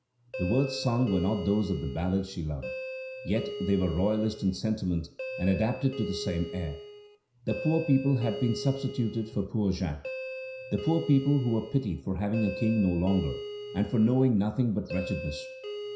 The words sung were not those of the ballad she loved, yet they were royalist in sentiment and adapted to the same air. The poor people had been substituted for poor Jack the poor people who were pitied for having a king no longer and for knowing nothing but wretchedness.